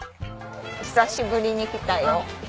久しぶりに来たよ。